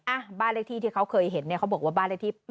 อะบ้านเรียกที่ที่เขาเคยเห็นขอบอกว่าบ้านเรียกที่๘๖